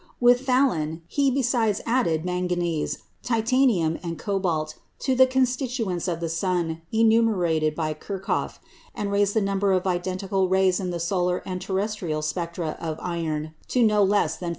With Thalèn, he besides added manganese, titanium, and cobalt to the constituents of the sun enumerated by Kirchhoff, and raised the number of identical rays in the solar and terrestrial spectra of iron to no less than 460.